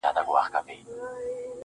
برايي نيمه شپه كي~